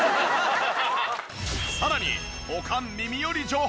さらにおかん耳寄り情報！